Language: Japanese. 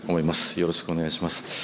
よろしくお願いします。